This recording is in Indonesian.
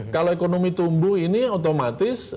kalau ekonomi tumbuh ini otomatis